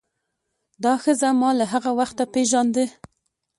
دا ښځه ما له هغه وخته پیژانده.